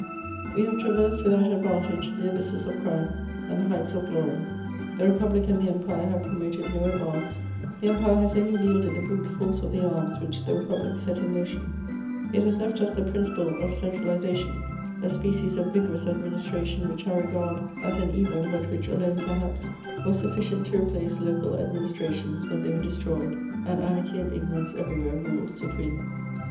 We have traversed with out advantage the abysses of crime, and the heights of glory ; the Republic and the Empire have promoted no advance ; the Empire has only wielded the brute force of the arms which the Republic set in motion ; it has left us the principle of centralisa tion, a species of vigorous administration which I regard as an evil, but which alone, perhaps, was sufficient to replace local administrations when they were destroyed, and anarchy and ignorance everywhere ruled supreme.